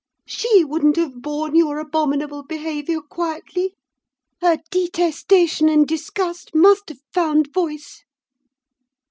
She wouldn't have borne your abominable behaviour quietly: her detestation and disgust must have found voice.